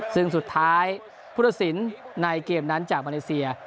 ซึ่งสุดท้ายพุทธศิลป์ในเกมนั้นจากมาเลเซีย